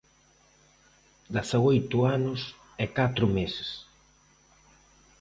Dezaoito anos e catro meses.